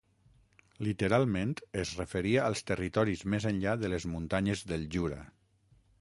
Literalment es referia als territoris més enllà de les muntanyes del Jura.